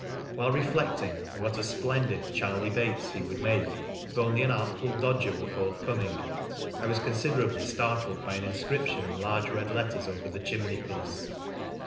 While reflecting what a splendid Charley Bates he would make if only an Artful Dodger were forth coming, I was considerably startled by an in scription in large red letters over the chimney iece.